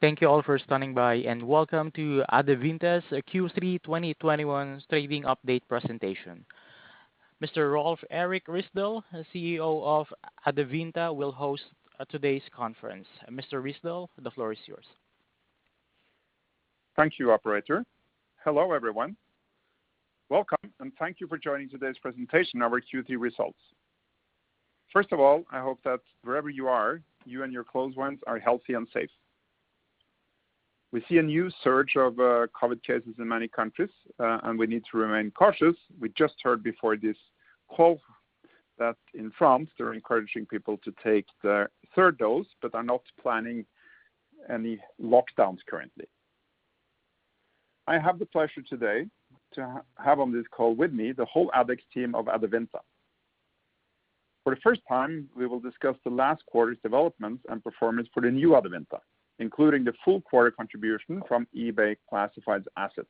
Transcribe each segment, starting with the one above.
Thank you all for standing by, and welcome to Adevinta's Q3 2021 trading update presentation. Mr. Rolv Erik Ryssdal, CEO of Adevinta, will host today's conference. Mr. Ryssdal, the floor is yours. Thank you, operator. Hello, everyone. Welcome, and thank you for joining today's presentation of our Q3 results. First of all, I hope that wherever you are, you and your close ones are healthy and safe. We see a new surge of COVID cases in many countries, and we need to remain cautious. We just heard before this call that in France they're encouraging people to take their third dose, but are not planning any lockdowns currently. I have the pleasure today to have on this call with me the whole AdEx team of Adevinta. For the first time, we will discuss the last quarter's developments and performance for the new Adevinta, including the full quarter contribution from eBay Classifieds assets.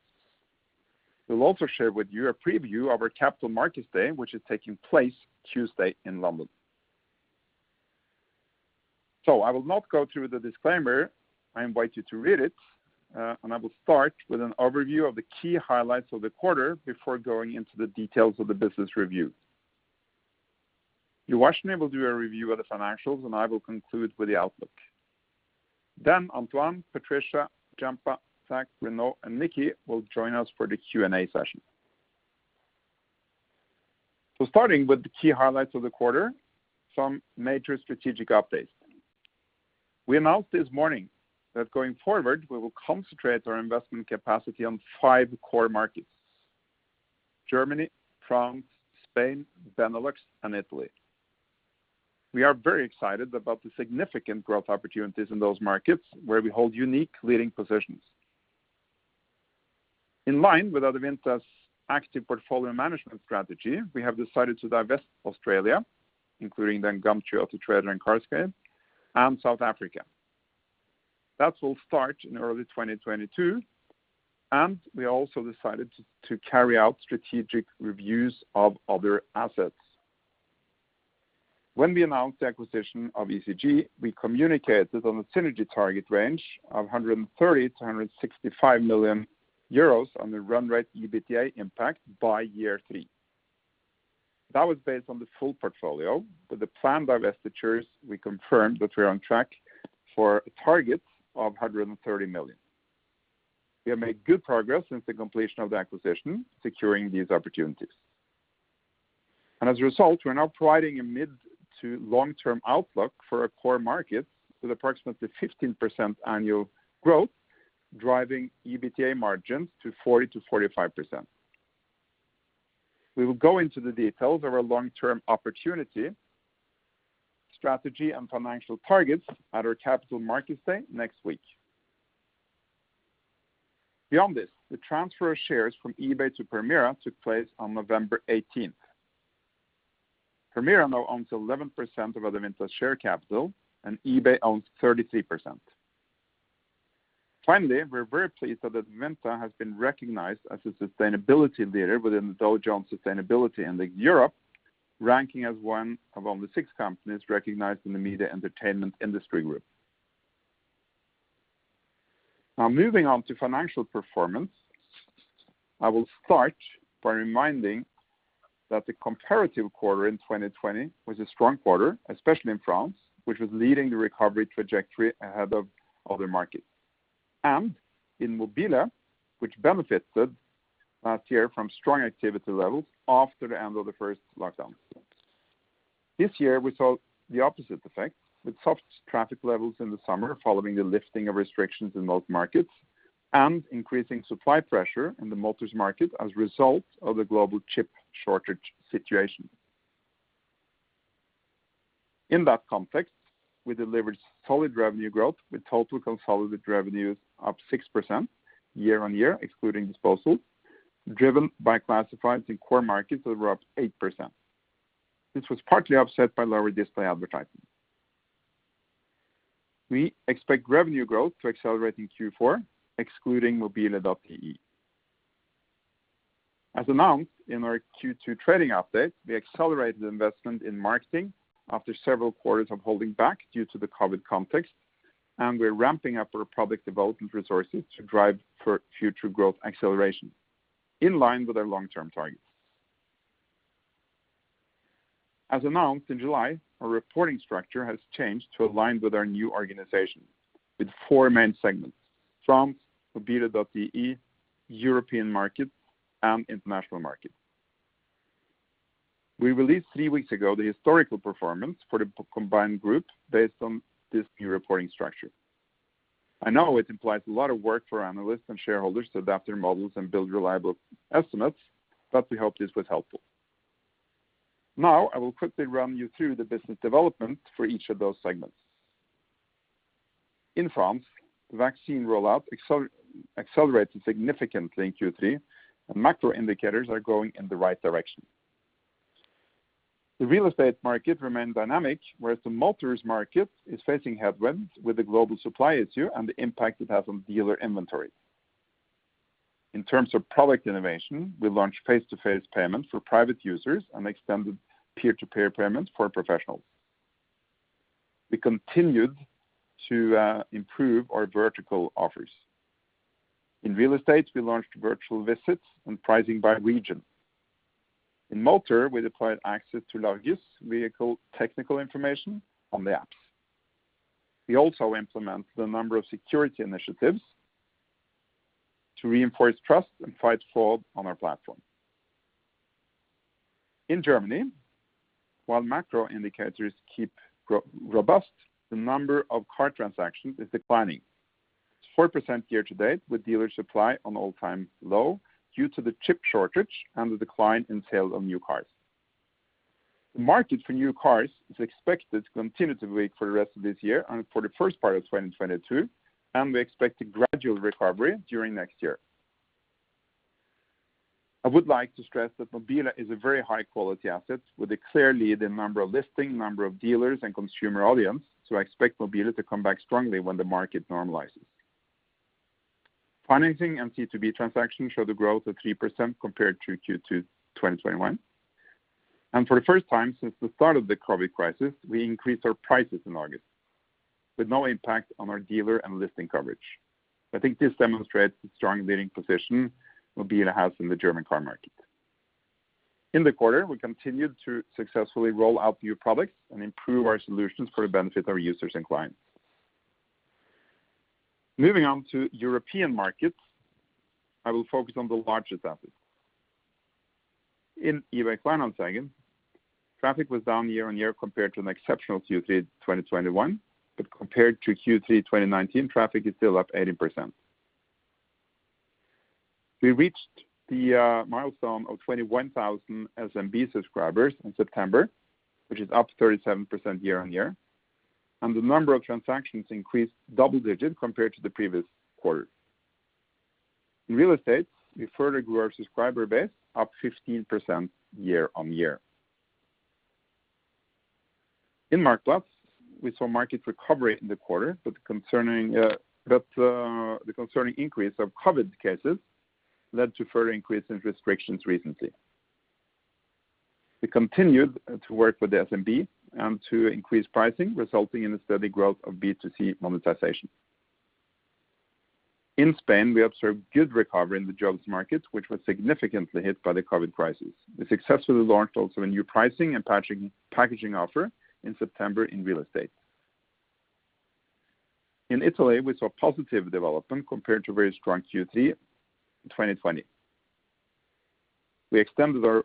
We'll also share with you a preview of our Capital Markets Day, which is taking place Tuesday in London. I will not go through the disclaimer. I invite you to read it. I will start with an overview of the key highlights of the quarter before going into the details of the business review. Uvashni will do a review of the financials, and I will conclude with the outlook. Antoine, Patricia, Gianpaolo, Zac, Renaud, and Nicki will join us for the Q&A session. Starting with the key highlights of the quarter, some major strategic updates. We announced this morning that going forward, we will concentrate our investment capacity on five core markets: Germany, France, Spain, Benelux, and Italy. We are very excited about the significant growth opportunities in those markets where we hold unique leading positions. In line with Adevinta's active portfolio management strategy, we have decided to divest Australia, including Gumtree, Autotrader, and CarsGuide, and South Africa. That will start in early 2022, and we also decided to carry out strategic reviews of other assets. When we announced the acquisition of eCG, we communicated on the synergy target range of 130 million-165 million euros on the run-rate EBITDA impact by year 3. That was based on the full portfolio. With the planned divestitures, we confirmed that we're on track for a target of 130 million. We have made good progress since the completion of the acquisition, securing these opportunities. As a result, we are now providing a mid- to long-term outlook for our core markets with approximately 15% annual growth, driving EBITDA margins to 40%-45%. We will go into the details of our long-term opportunity, strategy, and financial targets at our Capital Markets Day next week. Beyond this, the transfer of shares from eBay to Permira took place on November 18. Permira now owns 11% of Adevinta's share capital, and eBay owns 33%. Finally, we're very pleased that Adevinta has been recognized as a sustainability leader within the Dow Jones Sustainability Index Europe, ranking as one of only six companies recognized in the media and entertainment industry group. Now moving on to financial performance, I will start by reminding that the comparative quarter in 2020 was a strong quarter, especially in France, which was leading the recovery trajectory ahead of other markets. In mobile.de, which benefited last year from strong activity levels after the end of the first lockdown. This year, we saw the opposite effect, with soft traffic levels in the summer following the lifting of restrictions in most markets and increasing supply pressure in the motors market as a result of the global chip shortage situation. In that context, we delivered solid revenue growth, with total consolidated revenues up 6% year-on-year, excluding disposals, driven by classifieds in core markets that were up 8%. This was partly offset by lower display advertising. We expect revenue growth to accelerate in Q4, excluding mobile.de. As announced in our Q2 trading update, we accelerated investment in marketing after several quarters of holding back due to the COVID context, and we're ramping up our product development resources to drive for future growth acceleration in line with our long-term targets. As announced in July, our reporting structure has changed to align with our new organization, with four main segments: France, mobile.de, European markets, and international markets. We released three weeks ago the historical performance for the combined group based on this new reporting structure. I know it implies a lot of work for analysts and shareholders to adapt their models and build reliable estimates, but we hope this was helpful. Now, I will quickly run you through the business development for each of those segments. In France, vaccine rollout accelerated significantly in Q3, and macro indicators are going in the right direction. The real estate market remained dynamic, whereas the motors market is facing headwinds with the global supply issue and the impact it has on dealer inventory. In terms of product innovation, we launched face-to-face payments for private users and extended peer-to-peer payments for professionals. We continued to improve our vertical offers. In real estate, we launched virtual visits and pricing by region. In motor, we deployed access to largest vehicle technical information on the apps. We also implement the number of security initiatives to reinforce trust and fight fraud on our platform. In Germany, while macro indicators keep robust, the number of car transactions is declining. It's 4% year-to-date, with dealer supply on all-time low due to the chip shortage and the decline in sales of new cars. The market for new cars is expected to continue to wait for the rest of this year and for the first part of 2022, and we expect a gradual recovery during next year. I would like to stress that mobile.de is a very high quality asset with a clear lead in number of listings, number of dealers, and consumer audience, so I expect mobile.de to come back strongly when the market normalizes. Financing and C2B transactions show the growth of 3% compared to Q2 2021. For the first time since the start of the COVID crisis, we increased our prices in August with no impact on our dealer and listing coverage. I think this demonstrates the strong leading position mobile.de has in the German car market. In the quarter, we continued to successfully roll out new products and improve our solutions for the benefit of our users and clients. Moving on to European markets, I will focus on the largest assets. In eBay Kleinanzeigen, traffic was down year-on-year compared to an exceptional Q3 2021. Compared to Q3 2019, traffic is still up 80%. We reached the milestone of 21,000 SMB subscribers in September, which is up 37% year-on-year. The number of transactions increased double digits compared to the previous quarter. In real estate, we further grew our subscriber base up 15% year-on-year. In Marktplaats, we saw market recovery in the quarter, but the concerning increase of COVID cases led to further increase in restrictions recently. We continued to work with the SMB and to increase pricing, resulting in a steady growth of B2C monetization. In Spain, we observed good recovery in the jobs market, which was significantly hit by the COVID crisis. We successfully launched also a new pricing and packaging offer in September in real estate. In Italy, we saw positive development compared to very strong Q3 2020. We extended our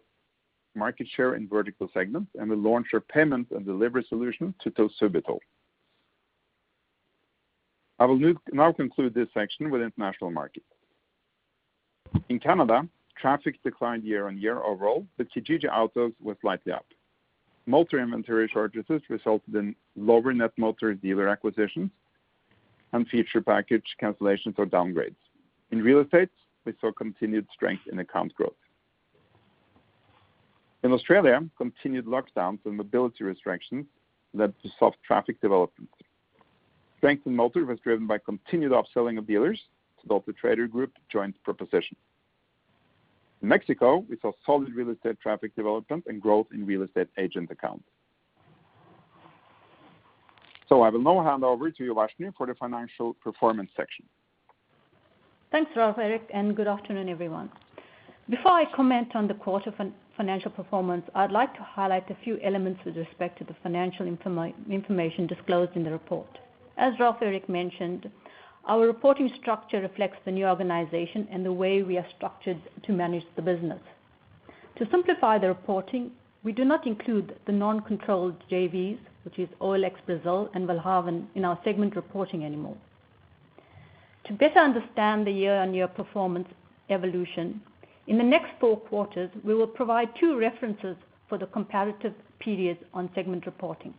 market share in vertical segments, and we launched our payment and delivery solution to Subito. I will now conclude this section with international markets. In Canada, traffic declined year-on-year overall, but Kijiji Autos was slightly up. Motor inventory shortages resulted in lower net motor dealer acquisitions and feature package cancellations or downgrades. In real estate, we saw continued strength in account growth. In Australia, continued lockdowns and mobility restrictions led to soft traffic development. Strength in motor was driven by continued upselling of dealers to build the Autotrader joint proposition. In Mexico, we saw solid real estate traffic development and growth in real estate agent accounts. I will now hand over to Uvashni for the financial performance section. Thanks, Rolv Erik, and good afternoon, everyone. Before I comment on the quarter financial performance, I'd like to highlight a few elements with respect to the financial information disclosed in the report. As Rolv Erik mentioned, our reporting structure reflects the new organization and the way we are structured to manage the business. To simplify the reporting, we do not include the non-controlled JVs, which is OLX Brazil and willhaben, in our segment reporting anymore. To better understand the year-on-year performance evolution, in the next four quarters, we will provide two references for the comparative periods on segment reporting.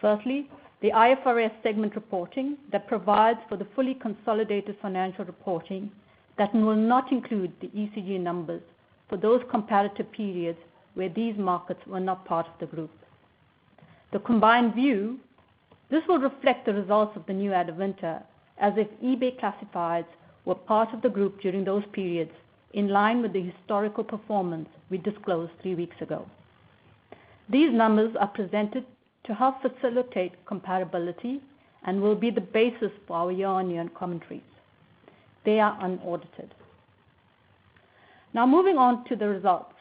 Firstly, the IFRS segment reporting that provides for the fully consolidated financial reporting that will not include the eCG numbers for those comparative periods where these markets were not part of the group. The combined view, this will reflect the results of the new Adevinta as if eBay Classifieds were part of the group during those periods, in line with the historical performance we disclosed three weeks ago. These numbers are presented to help facilitate comparability and will be the basis for our year-on-year commentaries. They are unaudited. Now moving on to the results.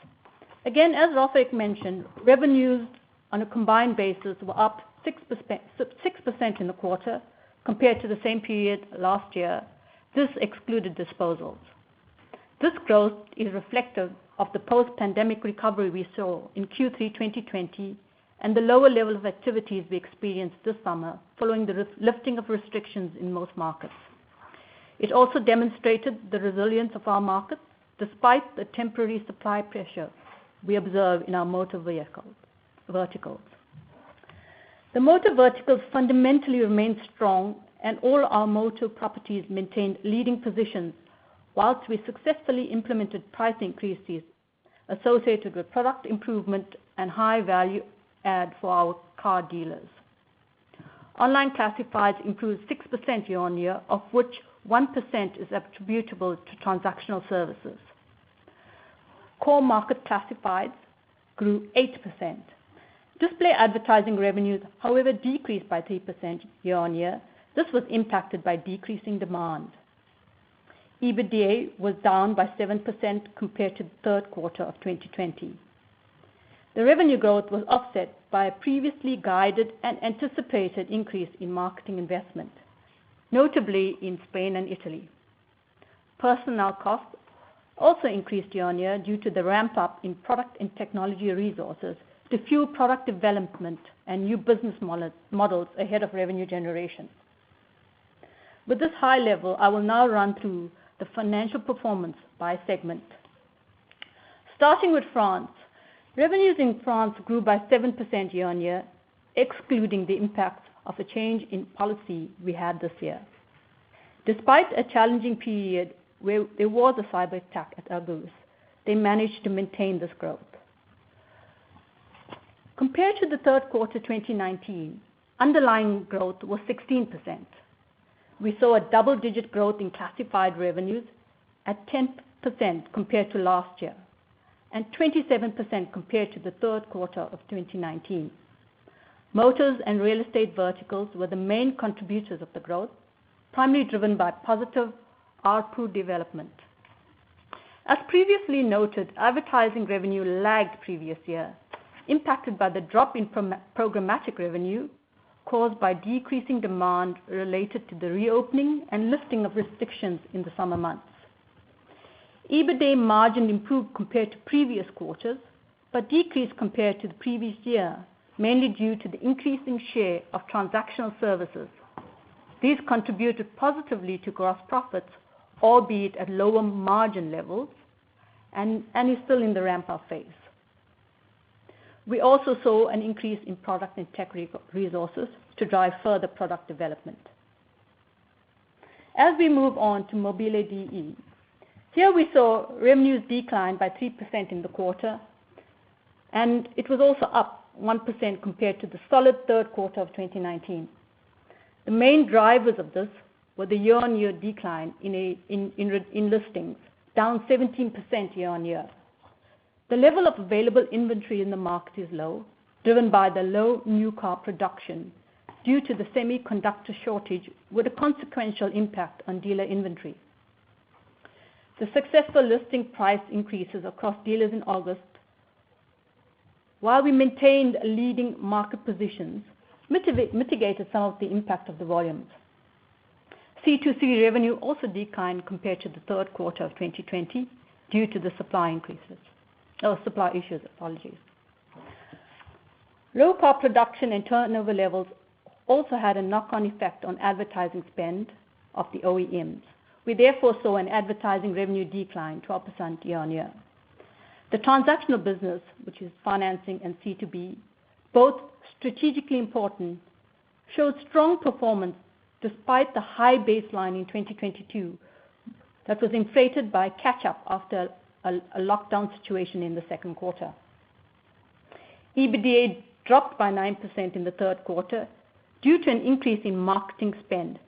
Again, as Rolv Erik mentioned, revenues on a combined basis were up 6% in the quarter compared to the same period last year. This excluded disposals. This growth is reflective of the post-pandemic recovery we saw in Q3 2020, and the lower level of activities we experienced this summer following the lifting of restrictions in most markets. It also demonstrated the resilience of our markets despite the temporary supply pressure we observe in our motor vehicle verticals. The motor verticals fundamentally remain strong, and all our motor properties maintained leading positions while we successfully implemented price increases associated with product improvement and high value add for our car dealers. Online classifieds improved 6% year-on-year, of which 1% is attributable to transactional services. Core market classifieds grew 8%. Display advertising revenues, however, decreased by 3% year-on-year. This was impacted by decreasing demand. EBITDA was down by 7% compared to the third quarter of 2020. The revenue growth was offset by a previously guided and anticipated increase in marketing investment, notably in Spain and Italy. Personnel costs also increased year-on-year due to the ramp-up in product and technology resources to fuel product development and new business models ahead of revenue generation. With this high level, I will now run through the financial performance by segment. Starting with France. Revenues in France grew by 7% year-on-year, excluding the impact of a change in policy we had this year. Despite a challenging period where there was a cyberattack at L'Argus, they managed to maintain this growth. Compared to the third quarter 2019, underlying growth was 16%. We saw a double-digit growth in classified revenues at 10% compared to last year, and 27% compared to the third quarter of 2019. Motors and real estate verticals were the main contributors of the growth, primarily driven by positive ARPU development. As previously noted, advertising revenue lagged previous year, impacted by the drop in programmatic revenue caused by decreasing demand related to the reopening and lifting of restrictions in the summer months. EBITDA margin improved compared to previous quarters, but decreased compared to the previous year, mainly due to the increasing share of transactional services. These contributed positively to gross profits, albeit at lower margin levels and is still in the ramp-up phase. We also saw an increase in product and tech resources to drive further product development. As we move on to mobile.de. Here we saw revenues decline by 3% in the quarter. It was also up 1% compared to the solid third quarter of 2019. The main drivers of this were the year-on-year decline in listings, down 17% year-on-year. The level of available inventory in the market is low, driven by the low new car production due to the semiconductor shortage with a consequential impact on dealer inventory. The successful listing price increases across dealers in August, while we maintained leading market positions, mitigated some of the impact of the volumes. C2C revenue also declined compared to the third quarter of 2020 due to the supply increases, or supply issues, apologies. Low car production and turnover levels also had a knock-on effect on advertising spend of the OEMs. We therefore saw an advertising revenue decline, 12% year-over-year. The transactional business, which is financing and C2B, both strategically important, showed strong performance despite the high baseline in 2022 that was inflated by catch-up after a lockdown situation in the second quarter. EBITDA dropped by 9% in the third quarter due to an increase in marketing spend,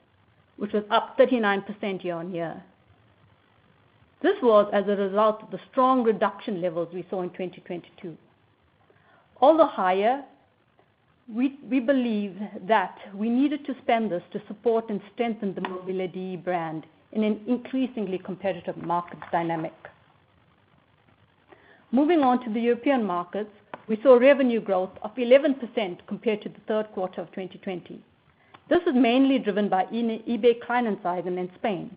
which was up 39% year-over-year. This was as a result of the strong reduction levels we saw in 2022. Although higher, we believe that we needed to spend this to support and strengthen the mobile.de brand in an increasingly competitive market dynamic. Moving on to the European markets, we saw revenue growth of 11% compared to Q3 2020. This was mainly driven by eBay Kleinanzeigen. Spain,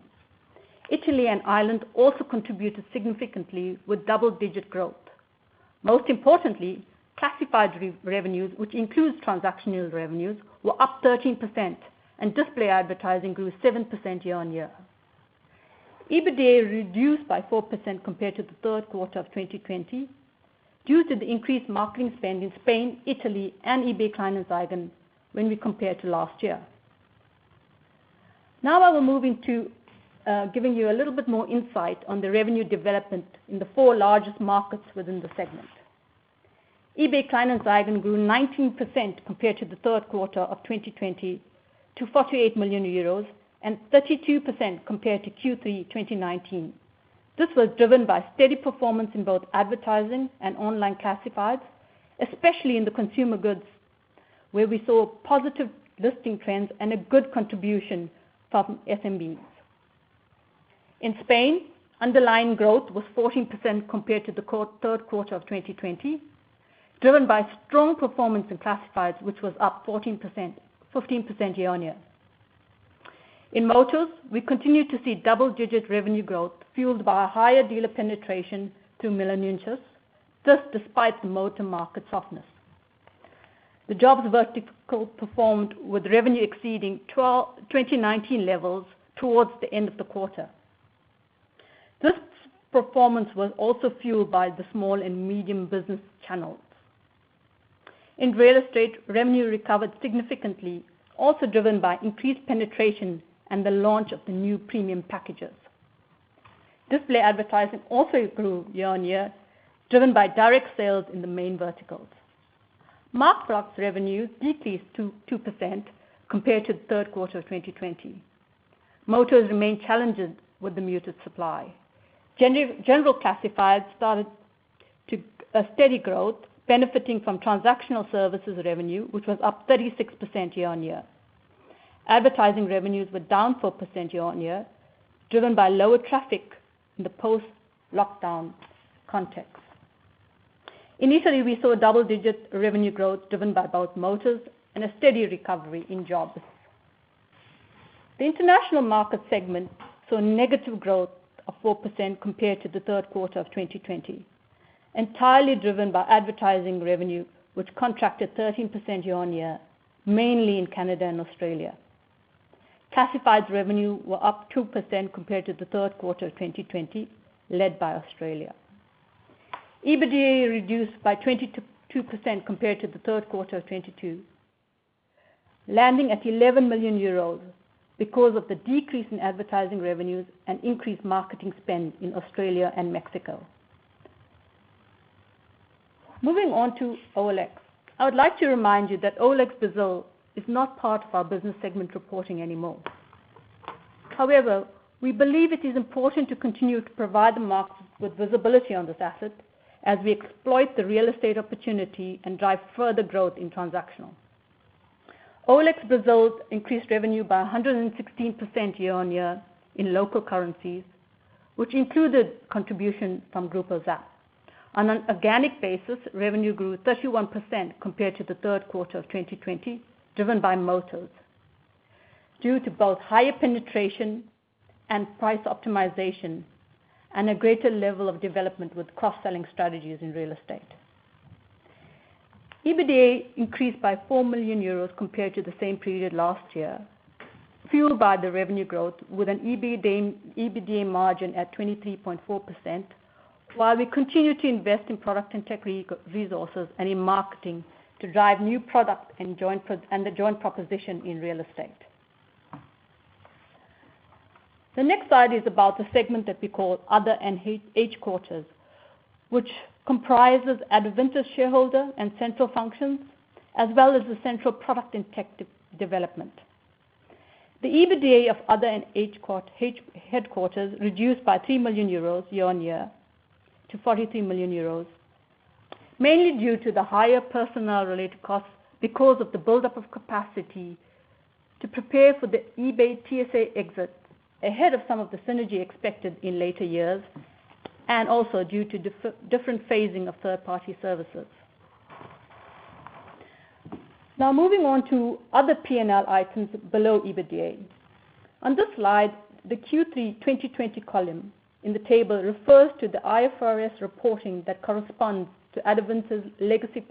Italy and Ireland also contributed significantly with double-digit growth. Most importantly, classified revenues, which includes transactional revenues, were up 13%, and display advertising grew 7% year-on-year. EBITDA reduced by 4% compared to Q3 2020 due to the increased marketing spend in Spain, Italy, and eBay Kleinanzeigen when we compare to last year. Now I will move into giving you a little bit more insight on the revenue development in the four largest markets within the segment. eBay Kleinanzeigen grew 19% compared to Q3 2020 to 48 million euros and 32% compared to Q3 2019. This was driven by steady performance in both advertising and online classifieds, especially in the consumer goods, where we saw positive listing trends and a good contribution from SMBs. In Spain, underlying growth was 14% compared to the Q3 of 2020, driven by strong performance in classifieds, which was up 14%, 15% year-on-year. In motors, we continued to see double-digit revenue growth fueled by a higher dealer penetration through Milanuncios, this despite the motor market softness. The jobs vertical performed with revenue exceeding 2019 levels towards the end of the quarter. This performance was also fueled by the small and medium business channels. In real estate, revenue recovered significantly, also driven by increased penetration and the launch of the new premium packages. Display advertising also grew year-on-year, driven by direct sales in the main verticals. Marktplaats revenue decreased 2% compared to the third quarter of 2020. Motors remained challenged with the muted supply. General classifieds started to a steady growth, benefiting from transactional services revenue, which was up 36% year-on-year. Advertising revenues were down 4% year-on-year, driven by lower traffic in the post-lockdown context. In Italy, we saw double-digit revenue growth, driven by both motors and a steady recovery in jobs. The international market segment saw a negative growth of 4% compared to the third quarter of 2020, entirely driven by advertising revenue, which contracted 13% year-on-year, mainly in Canada and Australia. Classified revenues were up 2% compared to the third quarter of 2020, led by Australia. EBITDA reduced by 2% compared to the third quarter of 2022, landing at 11 million euros because of the decrease in advertising revenues and increased marketing spend in Australia and Mexico. Moving on to OLX. I would like to remind you that OLX Brazil is not part of our business segment reporting anymore. However, we believe it is important to continue to provide the markets with visibility on this asset as we exploit the real estate opportunity and drive further growth in transactional. OLX Brazil increased revenue by 116% year-on-year in local currencies, which included contribution from Grupo ZAP. On an organic basis, revenue grew 31% compared to the third quarter of 2020, driven by motors due to both higher penetration and price optimization, and a greater level of development with cross-selling strategies in real estate. EBITDA increased by 4 million euros compared to the same period last year, fueled by the revenue growth with an EBITDA margin at 23.4%, while we continue to invest in product and tech resources and in marketing to drive new product and the joint proposition in real estate. The next slide is about the segment that we call Other and headquarters, which comprises Adevinta shareholder and central functions, as well as the central product and tech development. The EBITDA of Other and headquarters reduced by 3 million euros year-on-year to 43 million euros, mainly due to the higher personnel related costs because of the buildup of capacity to prepare for the eBay TSA exit ahead of some of the synergy expected in later years, and also due to different phasing of third-party services. Now, moving on to other P&L items below EBITDA. On this slide, the Q3 2020 column in the table refers to the IFRS reporting that corresponds to Adevinta's legacy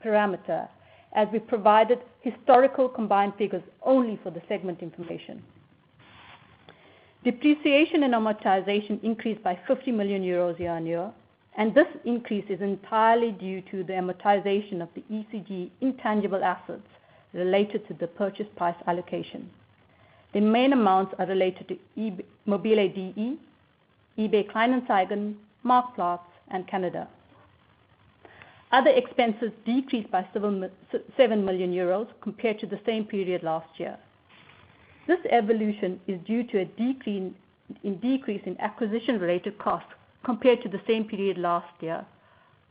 perimeter, as we provided historical combined figures only for the segment information. Depreciation and amortization increased by 50 million euros year-on-year, and this increase is entirely due to the amortization of the eCG intangible assets related to the purchase price allocation. The main amounts are related to mobile.de, eBay Kleinanzeigen, Marktplaats, and Canada. Other expenses decreased by 7 million euros compared to the same period last year. This evolution is due to a decrease in acquisition related costs compared to the same period last year,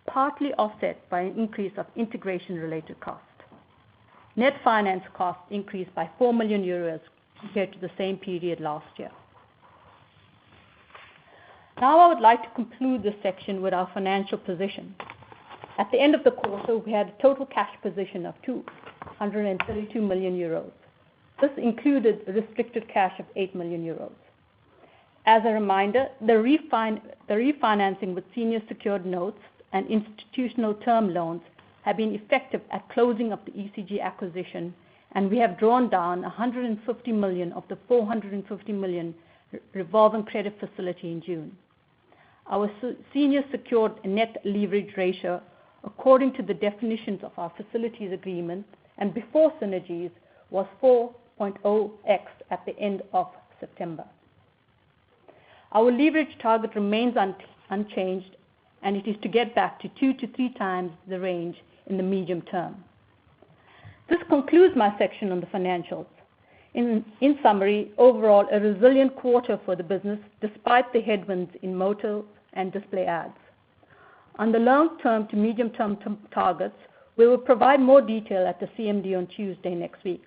partly offset by an increase of integration related costs. Net finance costs increased by 4 million euros compared to the same period last year. Now, I would like to conclude this section with our financial position. At the end of the quarter, we had a total cash position of 232 million euros. This included restricted cash of 8 million euros. As a reminder, refinancing with senior secured notes and institutional term loans have been effective at closing of the eCG acquisition, and we have drawn down 150 million of the 450 million revolving credit facility in June. Our senior secured net leverage ratio, according to the definitions of our facilities agreement and before synergies, was 4.0x at the end of September. Our leverage target remains unchanged, and it is to get back to 2-3x range in the medium term. This concludes my section on the financials. In summary, overall, a resilient quarter for the business despite the headwinds in motors and display ads. On the long term to medium term targets, we will provide more detail at the CMD on Tuesday next week.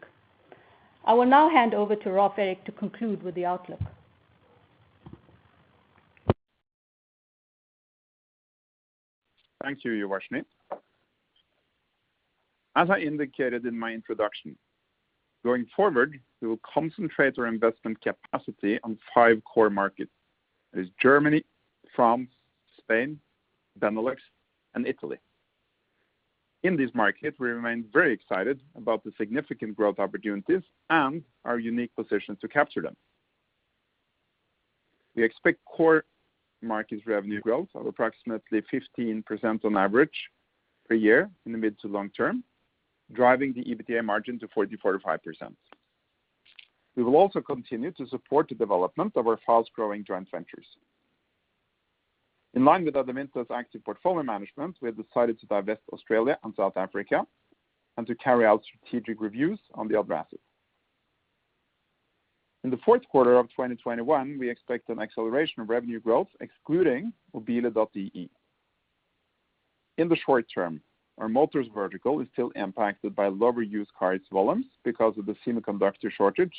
I will now hand over to Rolv Erik to conclude with the outlook. Thank you, Uvashni. As I indicated in my introduction, going forward, we will concentrate our investment capacity on five core markets. That is Germany, France, Spain, Benelux, and Italy. In these markets, we remain very excited about the significant growth opportunities and our unique position to capture them. We expect core markets revenue growth of approximately 15% on average per year in the mid to long term, driving the EBITDA margin to 44%-45%. We will also continue to support the development of our fast-growing joint ventures. In line with management's active portfolio management, we have decided to divest Australia and South Africa and to carry out strategic reviews on the other assets. In the fourth quarter of 2021, we expect an acceleration of revenue growth excluding mobile.de. In the short term, our motors vertical is still impacted by lower used cars volumes because of the semiconductor shortage,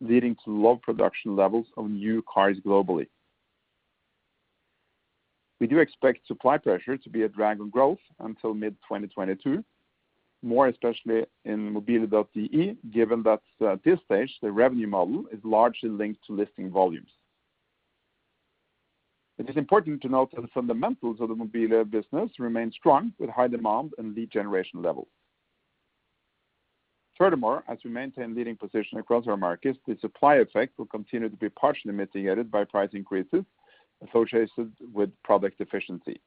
leading to low production levels of new cars globally. We do expect supply pressure to be a drag on growth until mid-2022, more especially in mobile.de, given that at this stage, the revenue model is largely linked to listing volumes. It is important to note that the fundamentals of the mobile business remain strong, with high demand and lead generation levels. Furthermore, as we maintain leading position across our markets, the supply effect will continue to be partially mitigated by price increases associated with product efficiency.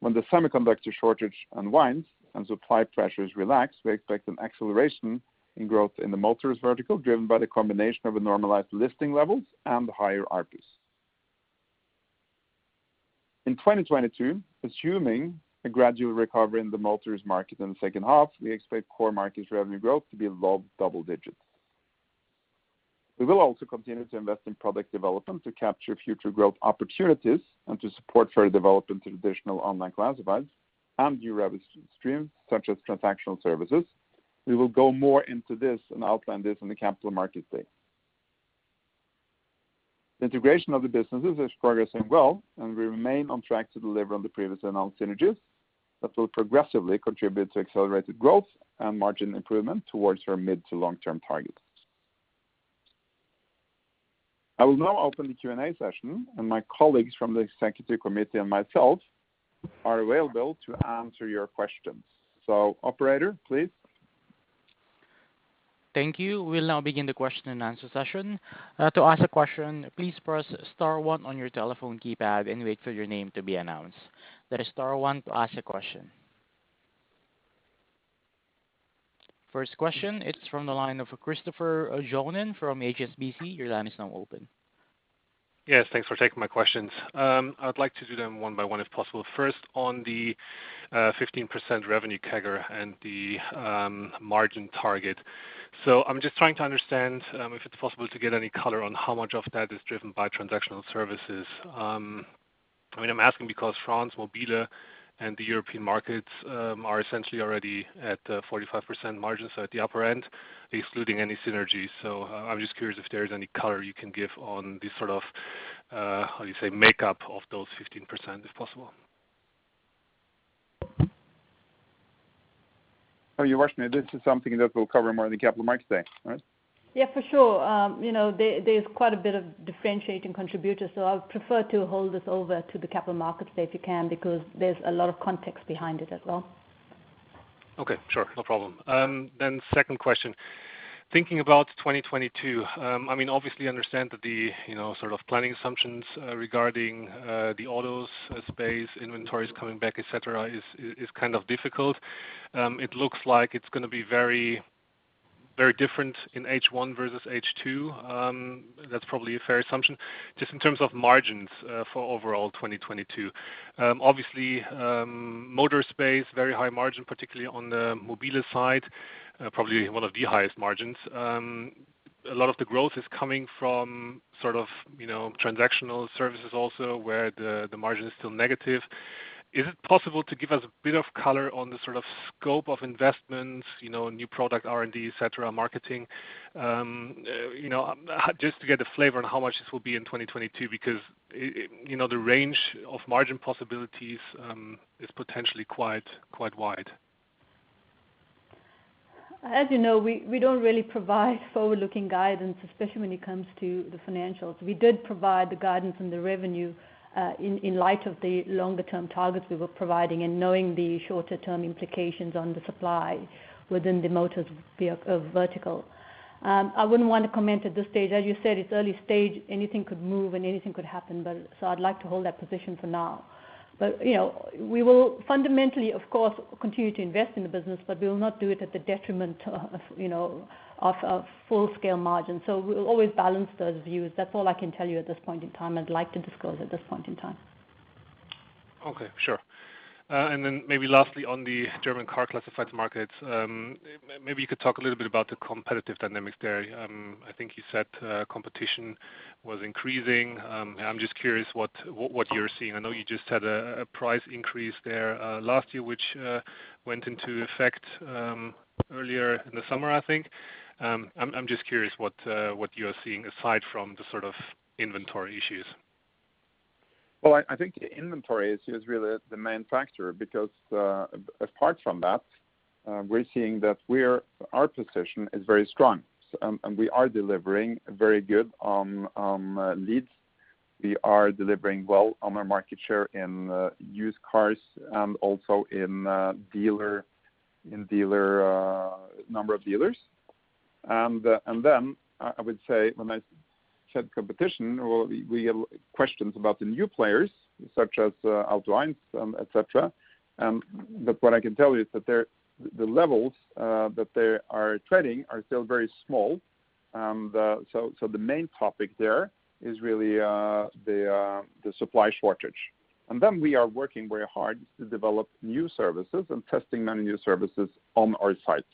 When the semiconductor shortage unwinds and supply pressures relax, we expect an acceleration in growth in the motors vertical, driven by the combination of a normalized listing levels and higher RPUs. In 2022, assuming a gradual recovery in the motors market in the second half, we expect core markets revenue growth to be low double digits. We will also continue to invest in product development to capture future growth opportunities and to support further development of traditional online classifieds and new revenue streams such as transactional services. We will go more into this and outline this in the Capital Markets Day. The integration of the businesses is progressing well, and we remain on track to deliver on the previously announced synergies that will progressively contribute to accelerated growth and margin improvement towards our mid- to long-term targets. I will now open the Q&A session, and my colleagues from the executive committee and myself are available to answer your questions. Operator, please. Thank you. We'll now begin the question and answer session. To ask a question, please press star one on your telephone keypad and wait for your name to be announced. That is star one to ask a question. First question, it's from the line of Christopher Johnen from HSBC. Your line is now open. Yes, thanks for taking my questions. I'd like to do them one by one, if possible. First, on the 15% revenue CAGR and the margin target. I'm just trying to understand if it's possible to get any color on how much of that is driven by transactional services. I mean, I'm asking because France will be there and the European markets are essentially already at 45% margins, so at the upper end, excluding any synergies. I'm just curious if there is any color you can give on the sort of, how you say, makeup of those 15%, if possible. Oh, you're asking me. This is something that we'll cover more in the Capital Markets Day, right? Yeah, for sure. You know, there's quite a bit of differentiating contributors, so I would prefer to hold this over to the Capital Markets day if you can, because there's a lot of context behind it as well. Okay, sure. No problem. Second question. Thinking about 2022, I mean, obviously understand that the, you know, sort of planning assumptions, regarding, the autos space, inventories coming back, et cetera, is kind of difficult. It looks like it's going to be very, very different in H1 versus H2. That's probably a fair assumption. Just in terms of margins, for overall 2022. Obviously, motor space, very high margin, particularly on the mobile side, probably one of the highest margins. A lot of the growth is coming from sort of, you know, transactional services also where the margin is still negative. Is it possible to give us a bit of color on the sort of scope of investments, you know, new product R&D, et cetera, marketing, you know, just to get a flavor on how much this will be in 2022? Because, you know, the range of margin possibilities is potentially quite wide. As you know, we don't really provide forward-looking guidance, especially when it comes to the financials. We did provide the guidance on the revenue in light of the longer-term targets we were providing and knowing the shorter-term implications on the supply within the motors vertical. I wouldn't want to comment at this stage. As you said, it's early stage, anything could move and anything could happen. I'd like to hold that position for now. You know, we will fundamentally, of course, continue to invest in the business, but we will not do it at the detriment of, you know, of a full-scale margin. We'll always balance those views. That's all I can tell you at this point in time. I'd like to disclose at this point in time. Okay, sure. Maybe lastly, on the German car classifieds markets, maybe you could talk a little bit about the competitive dynamics there. I think you said competition was increasing. I'm just curious what you're seeing. I know you just had a price increase there last year, which went into effect earlier in the summer, I think. I'm just curious what you are seeing aside from the sort of inventory issues. Well, I think the inventory issue is really the main factor because apart from that, we're seeing that our position is very strong. We are delivering very good on leads. We are delivering well on our market share in used cars and also in dealer number of dealers. Then I would say when I say competition or we have questions about the new players such as AUTO1, et cetera. What I can tell you is that the levels that they are trading are still very small. The main topic there is really the supply shortage. We are working very hard to develop new services and testing many new services on our sites.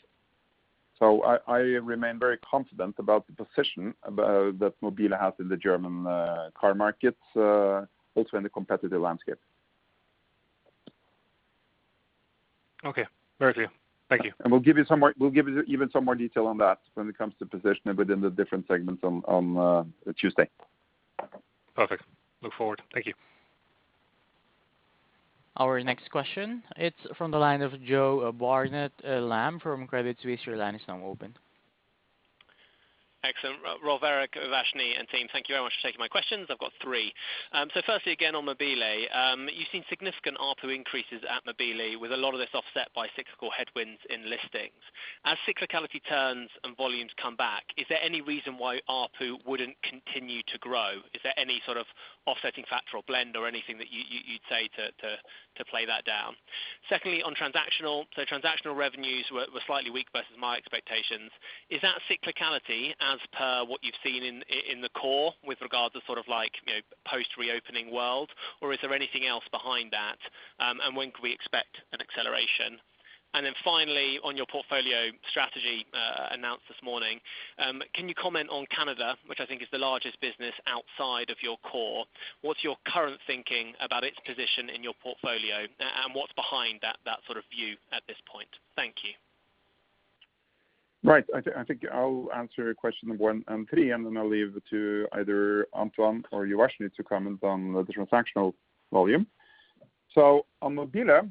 I remain very confident about the position that mobile.de has in the German car market, also in the competitive landscape. Okay. Very clear. Thank you. We'll give you even some more detail on that when it comes to positioning within the different segments on Tuesday. Perfect. Look forward. Thank you. Our next question, it's from the line of Joe Barnet-Lamb from Credit Suisse. Your line is now open. Excellent. Rolv Erik Ryssdal, Uvashni Raman, and team, thank you very much for taking my questions. I've got three. Firstly, again, on Mobile. You've seen significant ARPU increases at Mobile with a lot of this offset by cyclical headwinds in listings. As cyclicality turns and volumes come back, is there any reason why ARPU wouldn't continue to grow? Is there any sort of offsetting factor or blend or anything that you'd say to play that down? Secondly, on transactional. Transactional revenues were slightly weak versus my expectations. Is that cyclicality as per what you've seen in the core with regards to sort of like, you know, post-reopening world? Or is there anything else behind that? When can we expect an acceleration? Then finally, on your portfolio strategy, announced this morning, can you comment on Canada, which I think is the largest business outside of your core? What's your current thinking about its position in your portfolio and what's behind that sort of view at this point? Thank you. Right. I think I'll answer question one and three, and then I'll leave to either Antoine or Uvashni Raman to comment on the transactional volume. On mobile.de.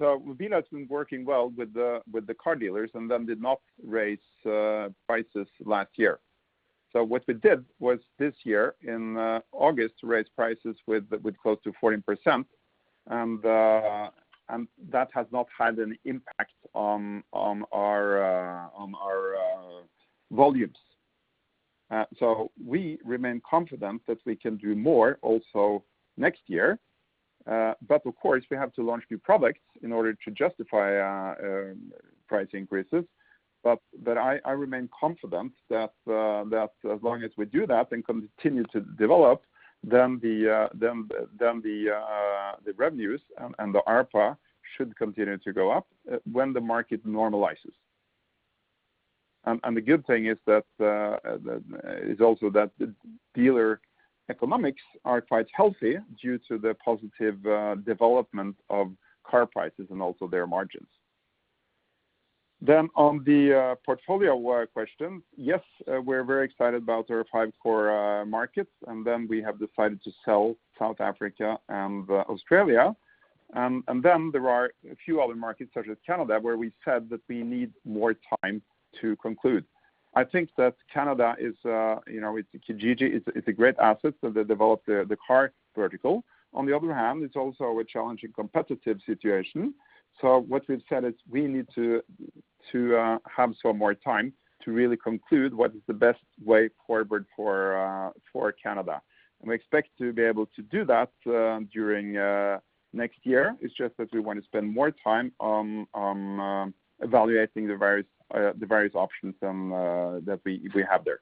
mobile.de has been working well with the car dealers and then did not raise prices last year. What we did was this year in August raise prices with close to 14%. That has not had an impact on our volumes. We remain confident that we can do more also next year. Of course, we have to launch new products in order to justify price increases. I remain confident that as long as we do that and continue to develop, then the revenues and the ARPA should continue to go up when the market normalizes. The good thing is that the dealer economics are quite healthy due to the positive development of car prices and also their margins. On the portfolio-wide question, yes, we're very excited about our five core markets, and then we have decided to sell South Africa and Australia. And then there are a few other markets such as Canada, where we said that we need more time to conclude. I think that Canada is, you know, with Kijiji it's a great asset. So they developed the car vertical. On the other hand, it's also a challenging competitive situation. What we've said is we need to have some more time to really conclude what is the best way forward for Canada. We expect to be able to do that during next year. It's just that we want to spend more time on evaluating the various options that we have there.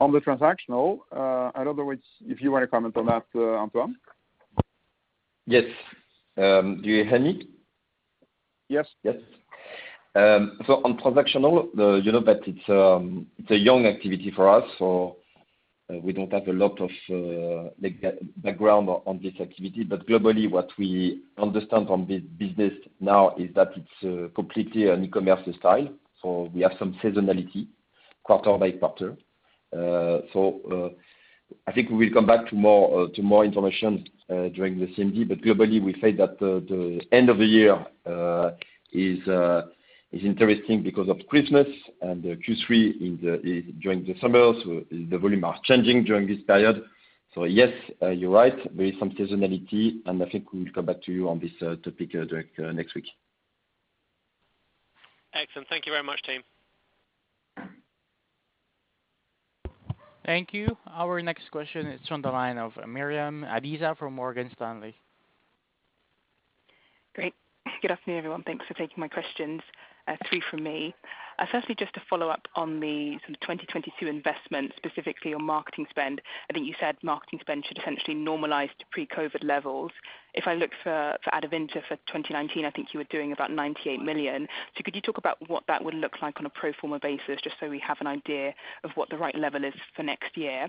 On the transactional, I don't know which. If you want to comment on that, Antoine. Yes. Do you hear me? Yes. Yes. On transactional, you know that it's a young activity for us, so we don't have a lot of like background on this activity. Globally, what we understand on this business now is that it's completely an e-commerce style. We have some seasonality quarter by quarter. I think we will come back to more information during the CMD, but globally, we say that the end of the year is interesting because of Christmas and the Q3 during the summer. The volume are changing during this period. Yes, you're right. There is some seasonality, and I think we will come back to you on this topic during next week. Excellent. Thank you very much, team. Thank you. Our next question is from the line of Miriam Adisa from Morgan Stanley. Great. Good afternoon, everyone. Thanks for taking my questions. Three from me. First, just to follow up on the 2022 investment, specifically your marketing spend. I think you said marketing spend should essentially normalize to pre-COVID levels. If I look for Adevinta for 2019, I think you were doing about 98 million. So could you talk about what that would look like on a pro forma basis, just so we have an idea of what the right level is for next year?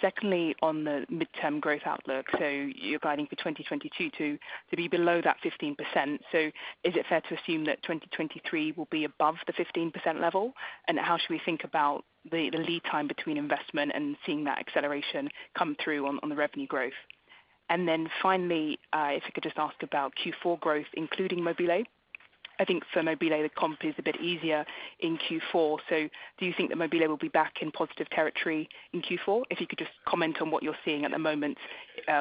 Second, on the mid-term growth outlook, you're guiding for 2022 to be below that 15%. Is it fair to assume that 2023 will be above the 15% level? How should we think about the lead time between investment and seeing that acceleration come through on the revenue growth? If I could just ask about Q4 growth, including Mobile. I think for Mobile, the comp is a bit easier in Q4. Do you think that Mobile will be back in positive territory in Q4? If you could just comment on what you're seeing at the moment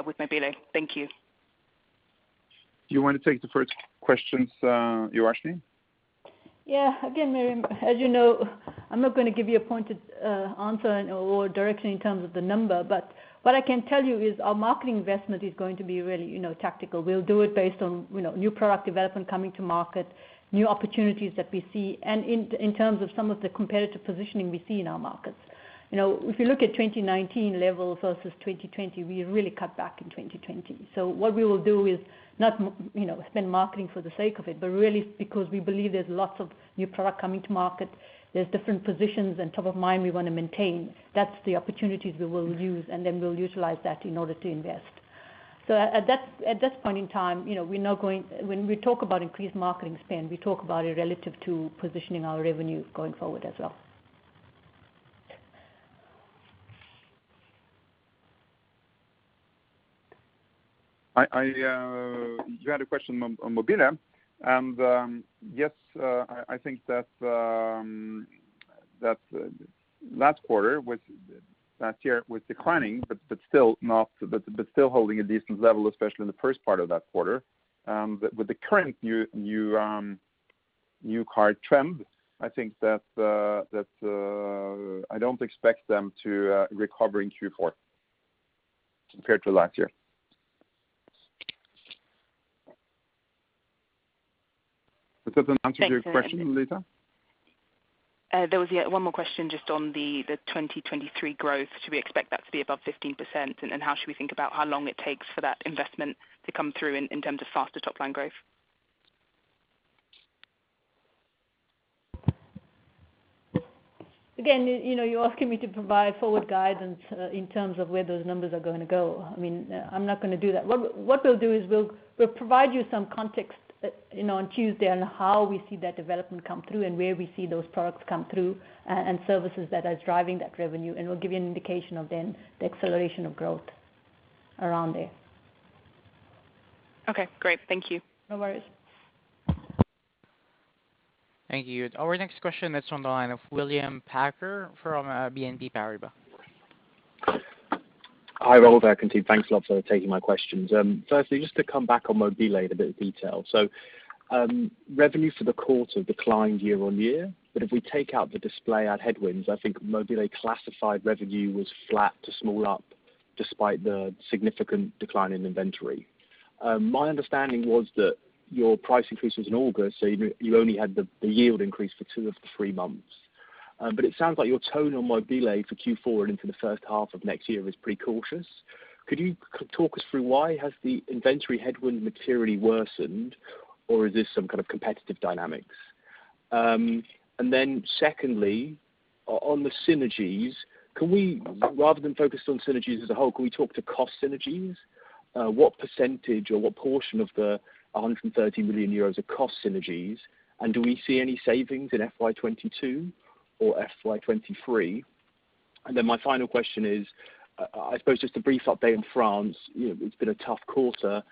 with Mobile. Thank you. Do you want to take the first questions, Uvashni? Yeah. Again, Miriam, as you know, I'm not going to give you a pointed answer or direction in terms of the number, but what I can tell you is our marketing investment is going to be really, you know, tactical. We'll do it based on, you know, new product development coming to market, new opportunities that we see, and in terms of some of the competitive positioning we see in our markets. You know, if you look at 2019 levels versus 2020, we really cut back in 2020. What we will do is not, you know, spend marketing for the sake of it, but really because we believe there's lots of new product coming to market, there's different positions and top of mind we want to maintain. That's the opportunities we will use, and then we'll utilize that in order to invest. At this point in time, you know, when we talk about increased marketing spend, we talk about it relative to positioning our revenue going forward as well. You had a question on mobile.de and yes, I think that last year was declining, but still holding a decent level, especially in the first part of that quarter. With the current new car trend, I think that I don't expect them to recover in Q4 compared to last year. Does that answer your question, Lisa? Thanks. There was one more question just on the 2023 growth. Should we expect that to be above 15%? How should we think about how long it takes for that investment to come through in terms of faster top line growth? Again, you know, you're asking me to provide forward guidance in terms of where those numbers are going to go. I mean, I'm not going to do that. What we'll do is we'll provide you some context, you know, on Tuesday on how we see that development come through and where we see those products come through, and services that are driving that revenue, and we'll give you an indication of then the acceleration of growth around there. Okay, great. Thank you. No worries. Thank you. Our next question is on the line of William Packer from BNP Paribas. Hi, Rolv and Uvashni. Thanks a lot for taking my questions. Firstly, just to come back on mobile.de in a bit of detail. Revenue for the quarter declined year-on-year, but if we take out the display ad headwinds, I think mobile.de classified revenue was flat to small up despite the significant decline in inventory. My understanding was that your price increases in August, so you only had the yield increase for two of the three months. It sounds like your tone on mobile.de for Q4 and into the first half of next year is pretty cautious. Could you talk us through why has the inventory headwind materially worsened, or is this some kind of competitive dynamics? Then secondly, on the synergies, rather than focus on synergies as a whole, can we talk to cost synergies? What percentage or what portion of the 130 million euros are cost synergies, and do we see any savings in FY 2022 or FY 2023? My final question is, I suppose, just a brief update in France. You know, it's been a tough quarter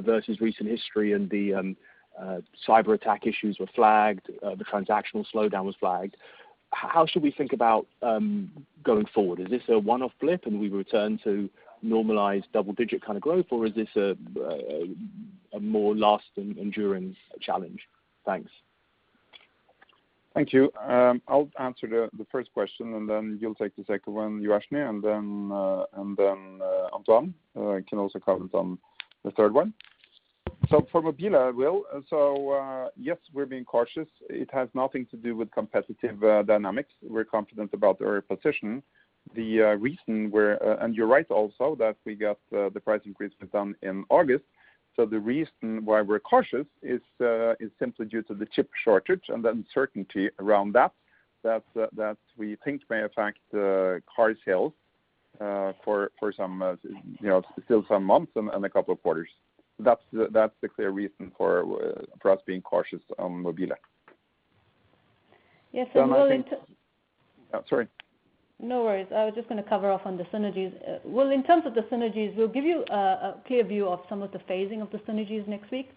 versus recent history and the cyberattack issues were flagged, the transactional slowdown was flagged. How should we think about going forward? Is this a one-off blip and we return to normalized double-digit kind of growth, or is this a more lasting endurance challenge? Thanks. Thank you. I'll answer the first question, and then you'll take the second one, Uvashni, and then Antoine can also comment on the third one. For mobile.de, Will, yes, we're being cautious. It has nothing to do with competitive dynamics. We're confident about our position. The reason we're and you're right also that we got the price increases done in August. The reason why we're cautious is simply due to the chip shortage and the uncertainty around that that we think may affect car sales for some you know still some months and a couple of quarters. That's the clear reason for us being cautious on mobile.de. Yes. Sorry. No worries. I was just going to cover off on the synergies. Well, in terms of the synergies, we'll give you a clear view of some of the phasing of the synergies next week.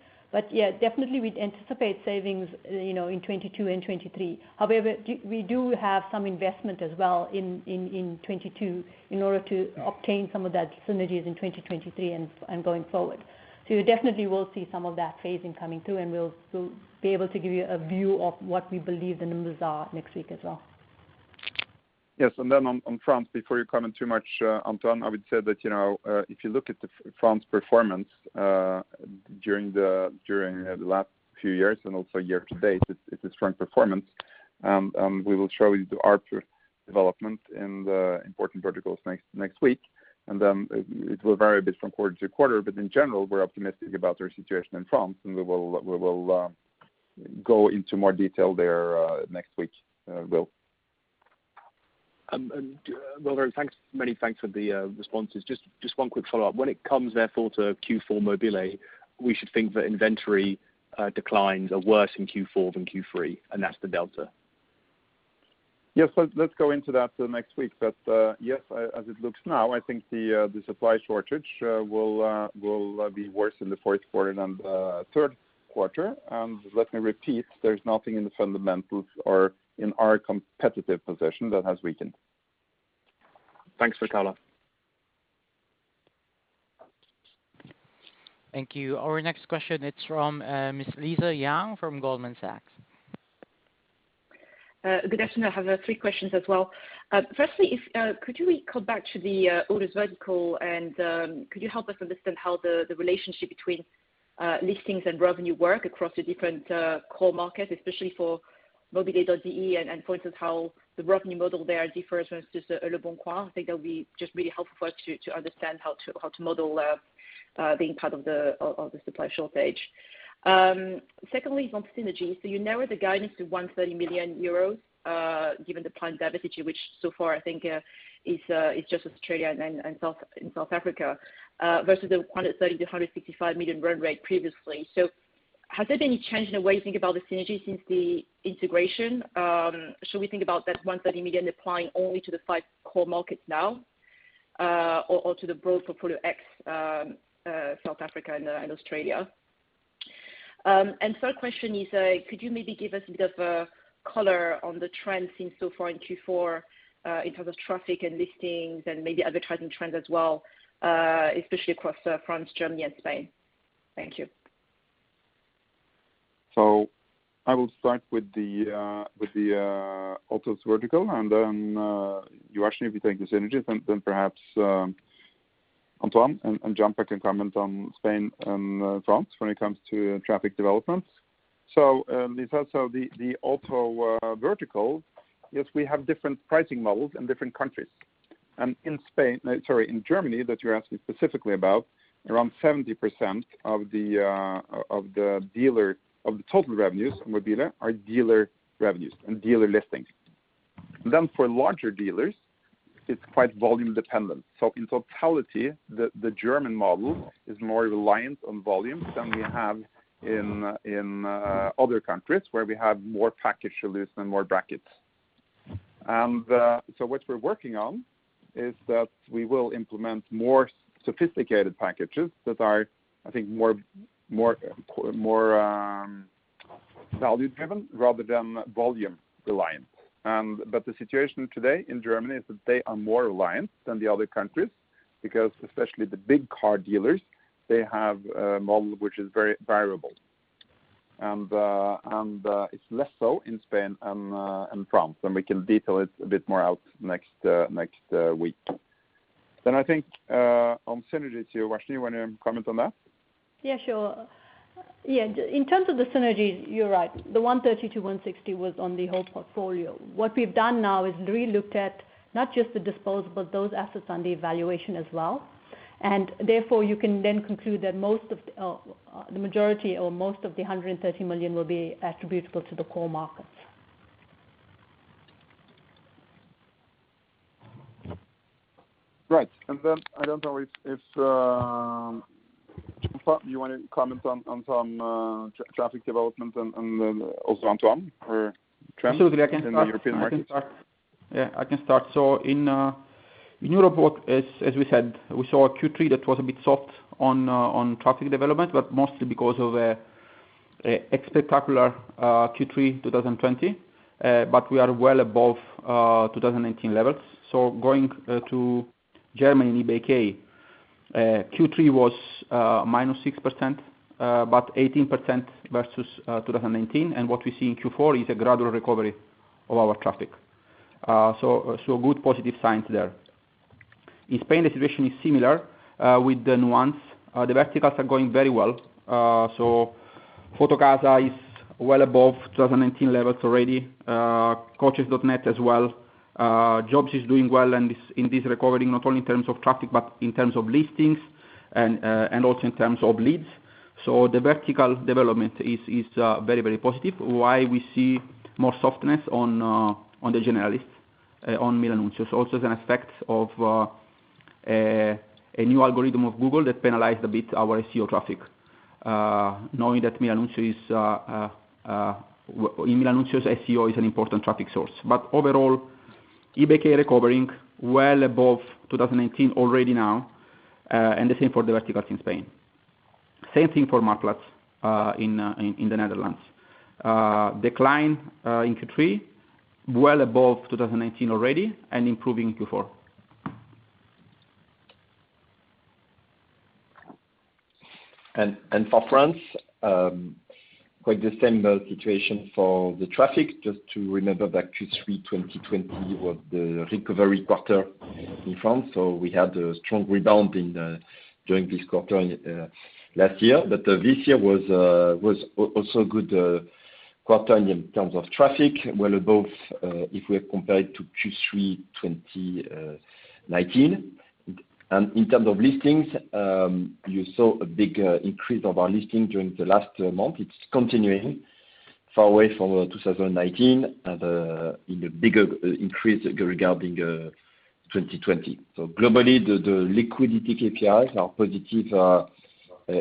Yeah, definitely we'd anticipate savings, you know, in 2022 and 2023. We do have some investment as well in 2022 in order to obtain some of that synergies in 2023 and going forward. You definitely will see some of that phasing coming through, and we'll be able to give you a view of what we believe the numbers are next week as well. Yes. Then on France, before you comment too much, Antoine, I would say that, you know, if you look at the France performance during the last few years and also year to date, it's a strong performance. We will show you the ARPU development in the important verticals next week, and it will vary a bit from quarter to quarter. In general, we're optimistic about our situation in France, and we will go into more detail there next week, Will. Rolv, thanks, many thanks for the responses. Just one quick follow-up. When it comes therefore to Q4 mobile.de, we should think that inventory declines are worse in Q4 than Q3, and that's the delta? Yes. Let's go into that next week. Yes, as it looks now, I think the supply shortage will be worse in the fourth quarter than the third quarter. Let me repeat, there's nothing in the fundamentals or in our competitive position that has weakened. Thanks for color. Thank you. Our next question is from Ms. Lisa Yang from Goldman Sachs. Good afternoon. I have three questions as well. Firstly, could you recall back to the autos vertical, and could you help us understand how the relationship between listings and revenue work across the different core markets, especially for mobile.de and point us how the revenue model there differs versus leboncoin? I think that would be just really helpful for us to understand how to model being part of the supply shortage. Secondly, on synergies, you narrowed the guidance to 130 million euros, given the planned divestiture, which so far I think is just Australia and South Africa, versus the 130 million-165 million run rate previously. Has there been any change in the way you think about the synergy since the integration? Should we think about that 130 million applying only to the five core markets now, or to the broad portfolio ex-South Africa and Australia? And third question is, could you maybe give us a bit of a color on the trends seen so far in Q4, in terms of traffic and listings and maybe advertising trends as well, especially across France, Germany, and Spain? Thank you. I will start with the autos vertical, and then you asked me if I think the synergies and then perhaps Antoine and Gianpaolo can comment on Spain and France when it comes to traffic developments. Lisa, the auto vertical, yes, we have different pricing models in different countries. In Spain, no, sorry, in Germany, that you're asking specifically about, around 70% of the of the dealer of the total revenues in mobile.de are dealer revenues and dealer listings. Then for larger dealers, it's quite volume dependent. In totality, the German model is more reliant on volume than we have in other countries where we have more package solutions and more brackets. What we're working on is that we will implement more sophisticated packages that are, I think, more value driven rather than volume reliant. The situation today in Germany is that they are more reliant than the other countries because especially the big car dealers, they have a model which is very variable. It's less so in Spain and France, and we can detail it a bit more out next week. I think on synergies, uvashni want to comment on that? Yeah, sure. Yeah, in terms of the synergies, you're right. The 130 million-160 million was on the whole portfolio. What we've done now is relooked at not just the disposal, those assets under evaluation as well. Therefore, you can then conclude that most of the majority or most of the 130 million will be attributable to the core markets. Right. I don't know if Gianpaolo, you want to comment on some traffic development and then also Antoine for trends in the European markets? Absolutely, I can start. In Europe, as we said, we saw a Q3 that was a bit soft on traffic development, but mostly because of spectacular Q3 2020. We are well above 2018 levels. Going to Germany and eBay Kleinanzeigen, Q3 was -6%, but 18% versus 2019. What we see in Q4 is a gradual recovery of our traffic. Good positive signs there. In Spain, the situation is similar, with the nuance. The verticals are going very well. So Fotocasa is well above 2019 levels already. Coches.net as well. Jobs is doing well and is in this recovery, not only in terms of traffic, but in terms of listings and also in terms of leads. The vertical development is very positive. While we see more softness on the generalist on Milanuncios, also as an effect of a new algorithm of Google that penalized a bit our SEO traffic, knowing that in Milanuncios SEO is an important traffic source. Overall, eBay Kleinanzeigen recovering well above 2019 already now, and the same for the verticals in Spain. Same thing for Marktplaats in the Netherlands. Decline in Q3, well above 2019 already and improving in Q4. For France, quite the same situation for the traffic. Just to remember back to Q3 2020 was the recovery quarter in France. We had a strong rebound during this quarter last year. This year was also a good quarter in terms of traffic, well above if we compare to Q3 2019. In terms of listings, you saw a big increase of our listings during the last month. It's continuing far above 2019 and in a bigger increase regarding 2020. Globally, the liquidity KPIs are positive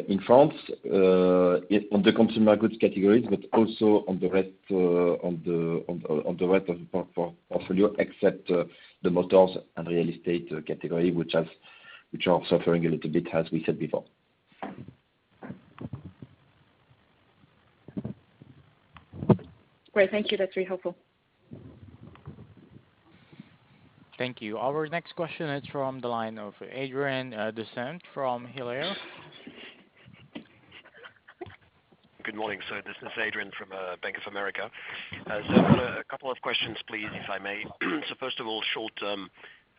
in France on the consumer goods categories, but also on the rest of the portfolio, except the motors and real estate category, which are suffering a little bit, as we said before. Great. Thank you. That's very helpful. Thank you. Our next question is from the line of Adrien de Saint Hilaire from Bank of America. Good morning, sir. This is Adrien from Bank of America. I've got a couple of questions, please, if I may. First of all,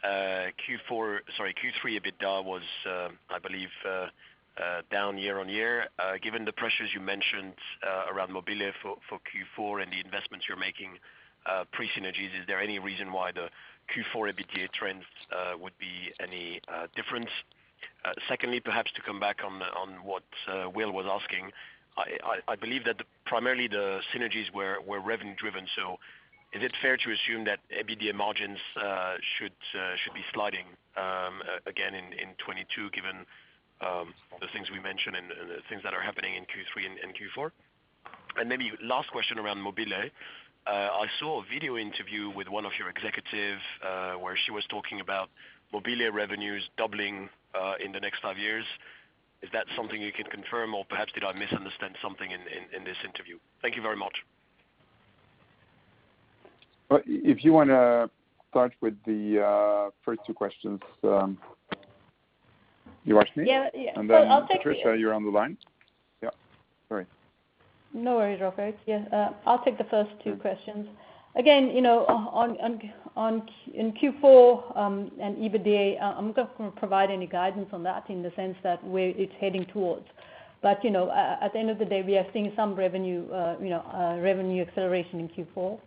short-term, Q3 EBITDA was, I believe, down year-over-year. Given the pressures you mentioned around mobile.de for Q4 and the investments you're making pre synergies, is there any reason why the Q4 EBITDA trends would be any different? Second, perhaps to come back on what William was asking. I believe that primarily the synergies were revenue driven, so is it fair to assume that EBITDA margins should be sliding again in 2022, given the things we mentioned and the things that are happening in Q3 and Q4? Maybe last question around mobile.de. I saw a video interview with one of your executives, where she was talking about mobile revenues doubling in the next five years. Is that something you can confirm? Or perhaps did I misunderstand something in this interview? Thank you very much. Well, if you wanna start with the first two questions, Uvashni. Yeah. I'll take- Patricia, you're on the line. Yeah. Sorry. No worries, Rolv Erik. Yeah. I'll take the first two questions. Again, you know, on Q4 and EBITDA, I'm not gonna provide any guidance on that in the sense that where it's heading towards. You know, at the end of the day, we are seeing some revenue acceleration in Q4.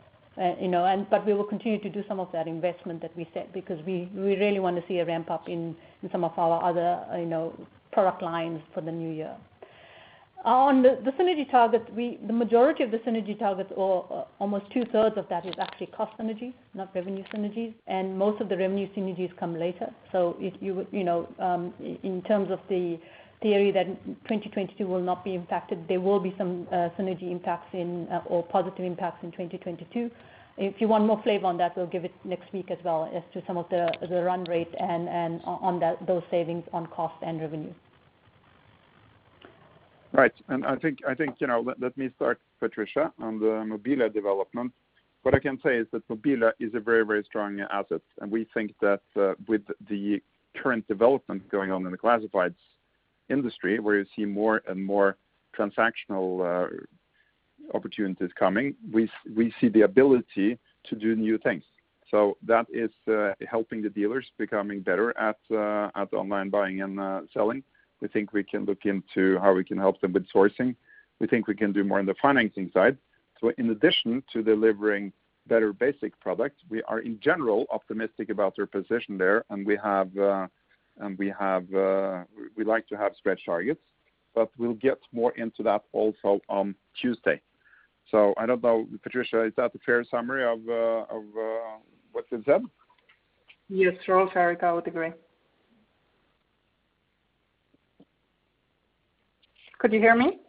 You know, and but we will continue to do some of that investment that we set because we really wanna see a ramp-up in some of our other product lines for the new year. On the synergy targets, the majority of the synergy targets or almost two-thirds of that is actually cost synergies, not revenue synergies. Most of the revenue synergies come later. If you know, in terms of the theory that 2022 will not be impacted, there will be some synergy impacts in, or positive impacts in 2022. If you want more flavor on that, we'll give it next week as well as to some of the run rate and on that, those savings on cost and revenue. Right. I think, you know, let me start, Patricia, on the Mobile development. What I can say is that Mobile is a very strong asset, and we think that, with the current development going on in the classifieds industry, where you see more and more transactional opportunities coming, we see the ability to do new things. That is helping the dealers becoming better at online buying and selling. We think we can look into how we can help them with sourcing. We think we can do more on the financing side. In addition to delivering better basic products, we are in general optimistic about their position there, and we have we'd like to have stretch targets, but we'll get more into that also on Tuesday. I don't know, Patricia, is that a fair summary of what you said? Yes, Rolv. I would agree. Could you hear me?